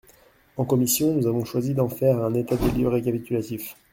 En commission, nous avons choisi d’en faire un « état des lieux récapitulatif ».